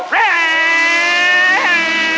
คงซ้าย